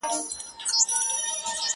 متلونه.